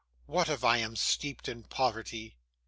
What, if I am steeped in poverty?